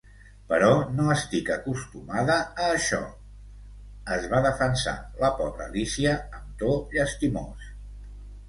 "Però no estic acostumada a això!" -es va defensar la pobra Alícia amb to llastimós.